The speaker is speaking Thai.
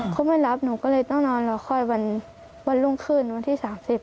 เขาไม่รับหนูก็เลยต้องนอนรอค่อยวันรุ่งขึ้นวันที่๓๐